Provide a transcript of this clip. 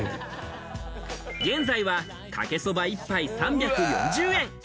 現在は、かけそば１杯３４０円。